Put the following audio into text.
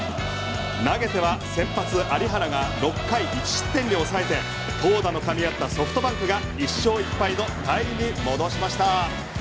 投げては先発、有原が６回１失点で抑えて投打のかみ合ったソフトバンクが１勝１敗のタイに戻しました。